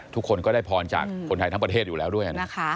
ทุกคนก็ได้พรจากคนไทยทั้งประเทศอยู่แล้วด้วยนะคะ